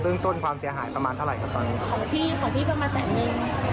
เรื่องต้นความเสียหายประมาณเท่าไหร่ครับตอนนี้ของพี่ของพี่ประมาณแสนนึง